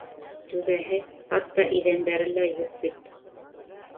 — Түбәһе, хатта иҙәндәре лә юҡ бит.